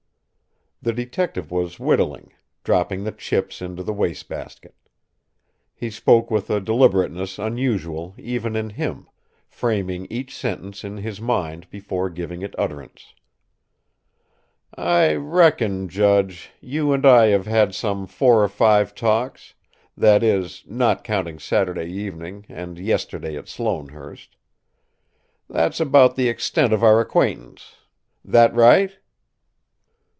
The detective was whittling, dropping the chips into the waste basket. He spoke with a deliberateness unusual even in him, framing each sentence in his mind before giving it utterance. "I reckon, judge, you and I have had some four or five talks that is, not counting Saturday evening and yesterday at Sloanehurst. That's about the extent of our acquaintance. That right?"